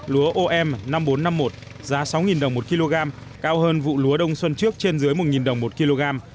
lúa om năm nghìn bốn trăm năm mươi một giá sáu đồng một kg cao hơn vụ lúa đông xuân trước trên dưới một đồng một kg